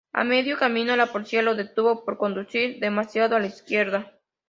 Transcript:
A medio camino la policía lo detuvo por conducir demasiado a la izquierda.